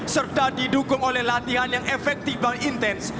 serta didukung oleh latihan yang efektif dan intens